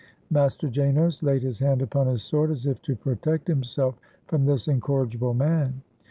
Master Janos laid his hand upon his sword, as if to protect himself from this incorrigible man.